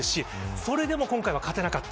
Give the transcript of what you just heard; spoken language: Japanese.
それでも今回は勝てなかった。